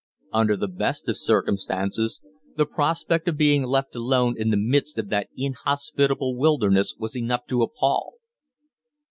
Under the best of circumstances, the prospect of being left alone in the midst of that inhospitable wilderness was enough to appal.